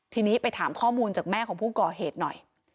ทีนี้ไปถามข้อมูลจากแม่ของผู้ก่อเหตุหน่อย